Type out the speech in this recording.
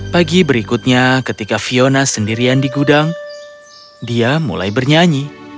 pagi berikutnya ketika fiona sendirian di gudang dia mulai bernyanyi